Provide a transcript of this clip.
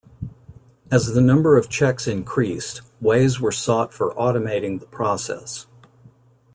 As the number of cheques increased, ways were sought for automating the process.